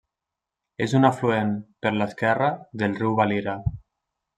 És un afluent, per l'esquerra, del riu Valira.